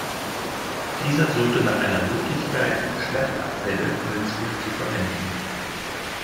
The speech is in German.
Dieser suchte nach einer Möglichkeit, Schlachtabfälle nützlich zu verwenden.